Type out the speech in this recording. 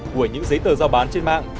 của những giấy tờ giao bán trên mạng